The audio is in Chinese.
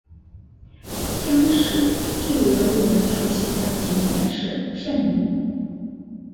姜市最为人熟悉的景点是圣陵。